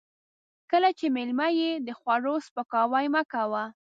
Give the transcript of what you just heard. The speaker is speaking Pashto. کله چې مېلمه يې د خوړو سپکاوی مه کوه.